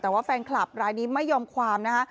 แต่ว่าแฟนคลับรายนี้ไม่ยอมความนะฮะ